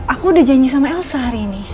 aku udah janji sama elsa hari ini